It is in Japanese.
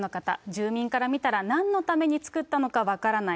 住民から見たら、なんのために作ったのか分からない。